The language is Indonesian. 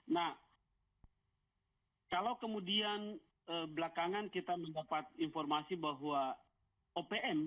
nah kalau kemudian belakangan kita mendapat informasi bahwa opm